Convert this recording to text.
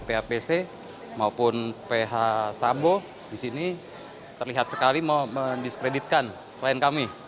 phpc maupun ph sambo di sini terlihat sekali men dispreditkan klien kami